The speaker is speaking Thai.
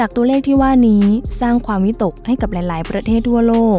ตัวเลขที่ว่านี้สร้างความวิตกให้กับหลายประเทศทั่วโลก